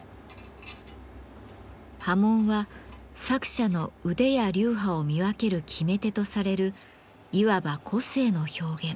刃文は作者の腕や流派を見分ける決め手とされるいわば個性の表現。